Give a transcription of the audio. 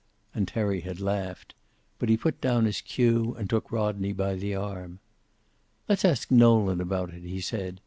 And Terry had laughed. But he put down his cue and took Rodney by the arm. "Let's ask Nolan about it," he said.